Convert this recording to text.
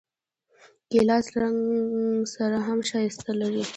ګیلاس له رنګ سره هم ښایست لري.